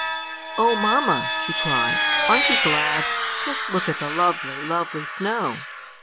"Oh, mamma," she cried, "aren't you glad? Just look at the lovely, lovely snow!"